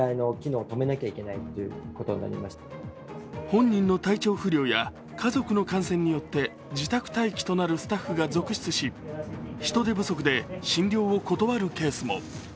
本人の体調不良や家族の感染によって自宅待機となるスタッフが続出し人手不足で診療を断るケースも。